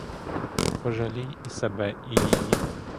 Пожалій і себе і її.